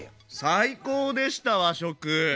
最高でした和食！